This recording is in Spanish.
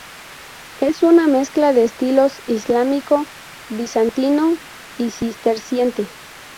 Es una mezcla de estilos islámico, bizantino y cisterciense.